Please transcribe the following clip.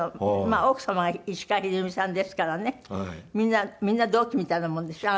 まあ奥様は石川秀美さんですからねみんな同期みたいなもんでしょ？